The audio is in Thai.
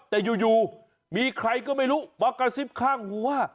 แต่อยู่มีใครก็ไม่รู้มากระซิบข้างหัว